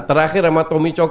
terakhir sama tommy cokrok